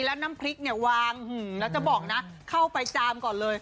แล้วน้ำพริกเนี่ยวางแล้วจะบอกนะเข้าไปจามก่อนเลย